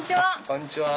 こんにちは。